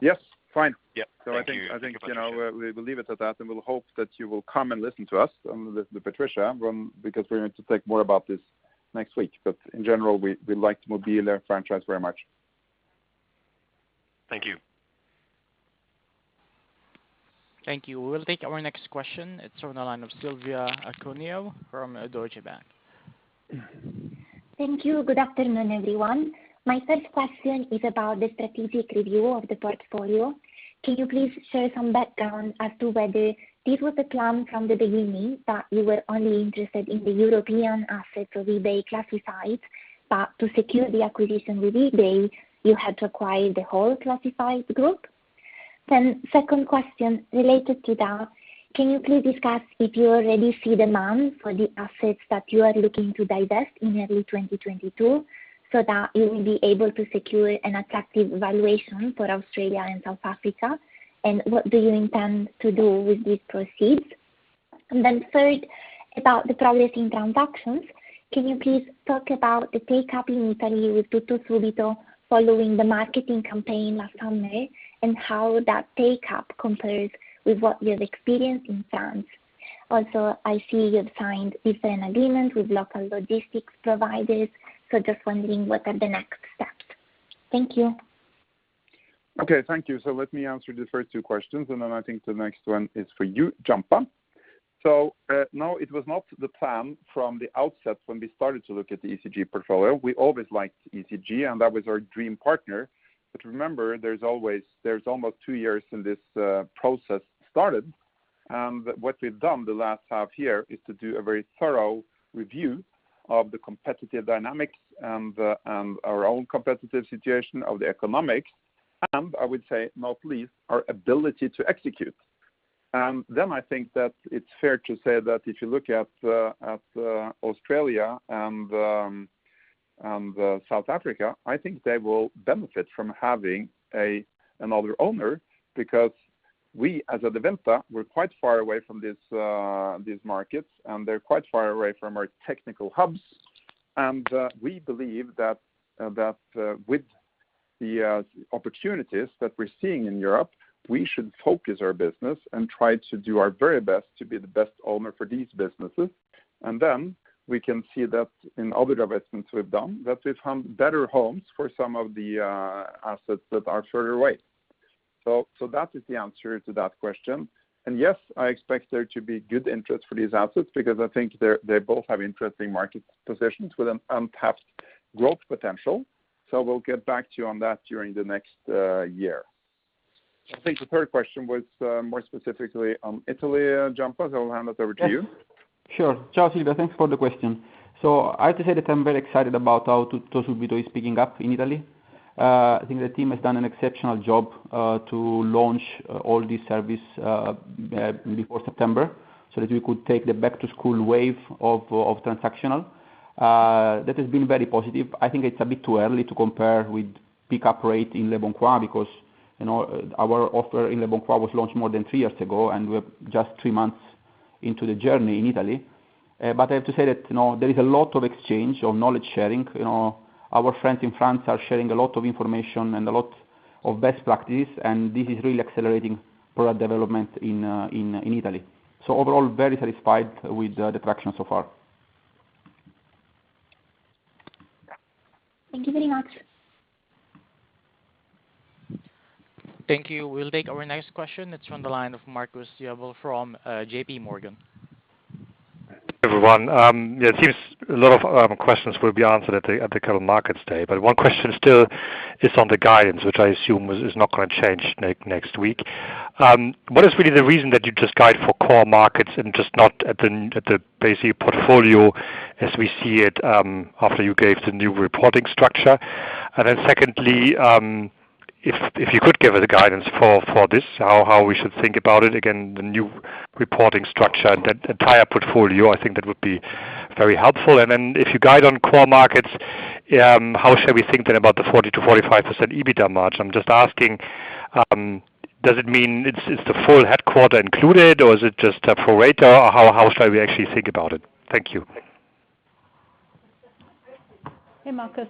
Yes. Fine. Yeah. Thank you. I think, you know, we will leave it at that, and we'll hope that you will come and listen to us with Patricia from... because we're going to talk more about this next week. In general, we like mobile.de franchise very much. Thank you. Thank you. We'll take our next question. It's on the line of Silvia Cuneo from Deutsche Bank. Thank you. Good afternoon, everyone. My first question is about the strategic review of the portfolio. Can you please share some background as to whether this was a plan from the beginning, that you were only interested in the European assets of eBay Classifieds Group, but to secure the acquisition with eBay, you had to acquire the whole Classifieds Group? Second question related to that, can you please discuss if you already see demand for the assets that you are looking to divest in early 2022, so that you will be able to secure an attractive valuation for Australia and South Africa? What do you intend to do with these proceeds? Third, about the progressing transactions, can you please talk about the take-up in Italy with TuttoSubito following the marketing campaign last summer, and how that take-up compares with what you've experienced in France? Also, I see you've signed different agreements with local logistics providers, so just wondering what are the next steps. Thank you. Okay, thank you. Let me answer the first two questions, and then I think the next one is for you, Gianpaolo. No, it was not the plan from the outset when we started to look at the ECG portfolio. We always liked ECG, and that was our dream partner. Remember, there's almost two years since this process started. What we've done the last half year is to do a very thorough review of the competitive dynamics and our own competitive situation of the economics, and I would say not least, our ability to execute. I think that it's fair to say that if you look at Australia and South Africa, I think they will benefit from having another owner. Because we as Adevinta, we're quite far away from these markets, and they're quite far away from our technical hubs. We believe that with the opportunities that we're seeing in Europe, we should focus our business and try to do our very best to be the best owner for these businesses. Then we can see that in other investments we've done, that we found better homes for some of the assets that are further away. That is the answer to that question. Yes, I expect there to be good interest for these assets because I think they both have interesting market positions with an untapped growth potential. We'll get back to you on that during the next year. I think the third question was more specifically on Italy. Gianpaolo, I'll hand it over to you. Sure. Silvia Cuneo, thanks for the question. I have to say that I'm very excited about how TuttoSubito is picking up in Italy. I think the team has done an exceptional job to launch all these services before September, so that we could take the back-to-school wave of transactional. That has been very positive. I think it's a bit too early to compare with pickup rate in leboncoin because, you know, our offer in leboncoin was launched more than three years ago, and we're just three months into the journey in Italy. I have to say that, you know, there is a lot of exchange of knowledge sharing. You know, our friends in France are sharing a lot of information and a lot of best practices, and this is really accelerating product development in Italy. Overall, very satisfied with the traction so far. Thank you very much. Thank you. We'll take our next question. It's on the line of Marcus Diebel from JP Morgan. Everyone, it seems a lot of questions will be answered at the Capital Markets Day, but one question still is on the guidance, which I assume is not gonna change next week. What is really the reason that you just guide for core markets and just not at the basic portfolio as we see it, after you gave the new reporting structure? And then secondly, if you could give us a guidance for this, how we should think about it, again, the new reporting structure and the entire portfolio, I think that would be very helpful. And then if you guide on core markets, how should we think then about the 40%-45% EBITDA margin? I'm just asking, does it mean it's the full headquarters included or is it just a pro rata? How should we actually think about it? Thank you. Hey, Marcus.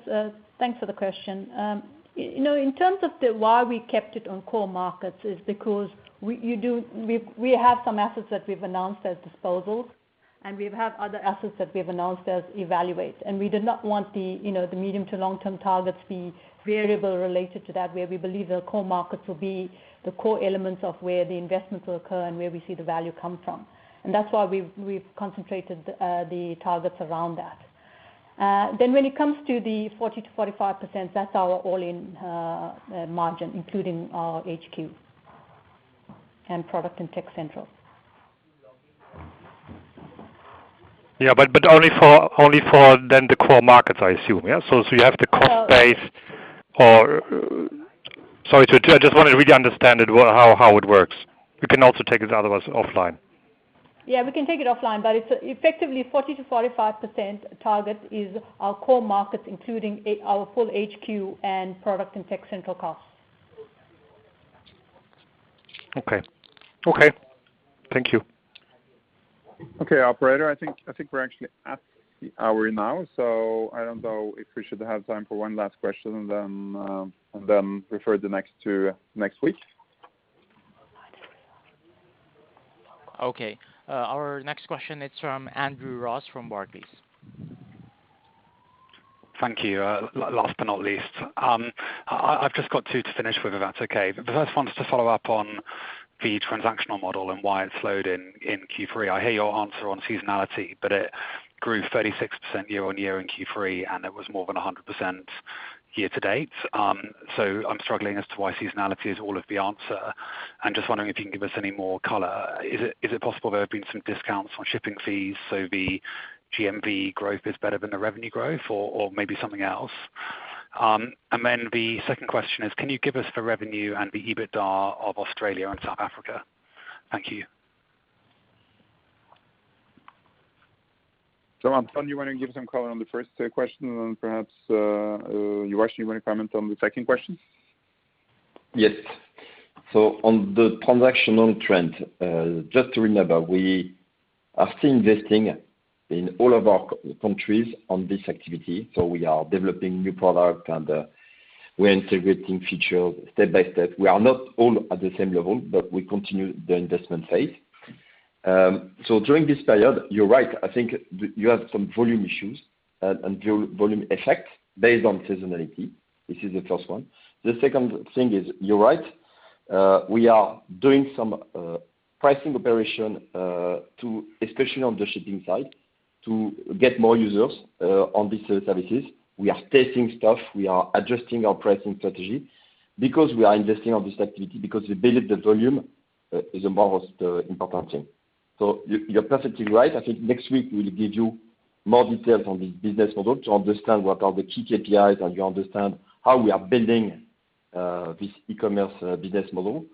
Thanks for the question. You know, in terms of the why we kept it on core markets is because we have some assets that we've announced as disposals, and we've had other assets that we have announced as evaluations. We did not want the, you know, the medium- to long-term targets be variable related to that, where we believe the core markets will be the core elements of where the investments will occur and where we see the value come from. That's why we've concentrated the targets around that. When it comes to the 40%-45%, that's our all-in margin, including our HQ and product and tech central. Yeah, but only for the core markets, I assume, yeah? So you have the cost base. Sorry to interrupt. I just wanted to really understand it, how it works. You can also take it otherwise offline. Yeah, we can take it offline, but it's effectively 40%-45% target is our core markets, including our full HQ and product and tech central costs. Okay. Okay. Thank you. Okay, operator, I think we're actually at the hour now, so I don't know if we should have time for one last question and then refer the next to next week. Okay. Our next question is from Andrew Ross from Barclays. Thank you. Last but not least. I've just got two to finish with, if that's okay. The first one is to follow up on the transactional model and why it slowed in Q3. I hear your answer on seasonality, but it grew 36% year-on-year in Q3, and it was more than 100% year to date. I'm struggling as to why seasonality is all of the answer. I'm just wondering if you can give us any more color. Is it possible there have been some discounts on shipping fees, so the GMV growth is better than the revenue growth or maybe something else? The second question is, can you give us the revenue and the EBITDA of Australia and South Africa? Thank you. Antoine, you want to give some color on the first question and perhaps, Uvashni, you want to comment on the second question? Yes. On the transactional trend, just to remember, we are still investing in all of our countries on this activity, so we are developing new product and we're integrating features step by step. We are not all at the same level, but we continue the investment phase. During this period, you're right, I think you have some volume issues and volume effect based on seasonality. This is the first one. The second thing is, you're right, we are doing some pricing operation to especially on the shipping side, to get more users on these services. We are testing stuff. We are adjusting our pricing strategy because we are investing on this activity because we believe the volume is a most important thing. You're perfectly right. I think next week we'll give you more details on this business model to understand what are the key KPIs and you understand how we are building this e-commerce business model.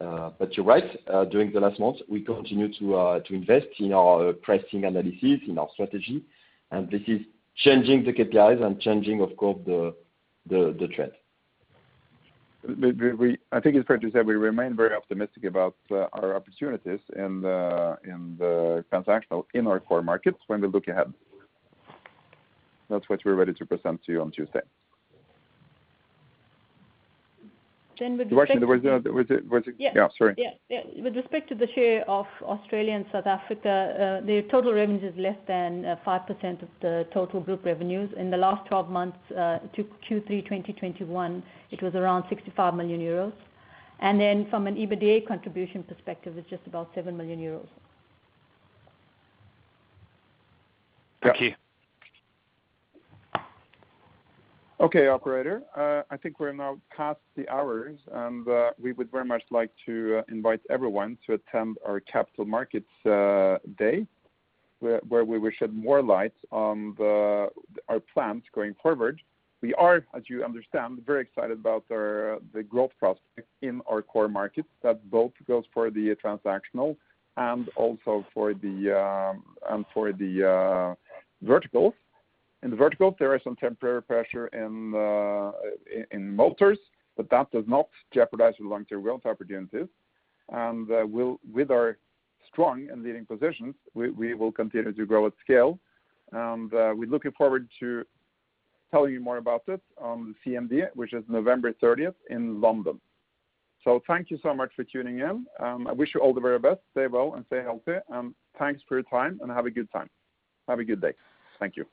You're right, during the last month, we continue to invest in our pricing analysis, in our strategy, and this is changing the KPIs and changing, of course, the trend. I think it's fair to say we remain very optimistic about our opportunities in the transactional, in our core markets when we look ahead. That's what we're ready to present to you on Tuesday. With respect to. Uvashni, there was a Yeah. Yeah, sorry. With respect to the share of Australia and South Africa, the total revenues is less than 5% of the total group revenues. In the last 12 months to Q3 2021, it was around 65 million euros. From an EBITDA contribution perspective, it's just about 7 million euros. Thank you. Okay, operator. I think we're now past the hours, and we would very much like to invite everyone to attend our Capital Markets Day, where we will shed more light on our plans going forward. We are, as you understand, very excited about the growth prospects in our core markets. That both goes for the transactional and also for the verticals. In the verticals, there is some temporary pressure in motors, but that does not jeopardize the long-term growth opportunities. With our strong and leading positions, we will continue to grow at scale. We're looking forward to telling you more about this on the CMD, which is November 30th in London. Thank you so much for tuning in. I wish you all the very best. Stay well and stay healthy. Thanks for your time, and have a good time. Have a good day. Thank you.